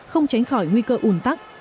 không tránh khỏi nguy cơ ủn tắc